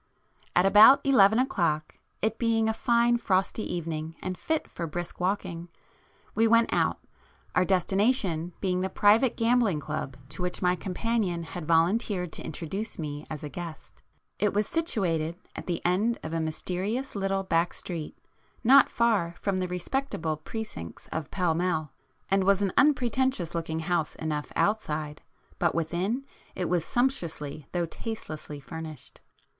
At about eleven o'clock, it being a fine frosty evening and fit for brisk walking, we went out, our destination being the private gambling club to which my companion had volunteered to introduce me as a guest. It was situated at the end of a mysterious little back street, not far from the respectable precincts of Pall Mall, and was an unpretentious looking house enough outside, but within, it was sumptuously though tastelessly furnished.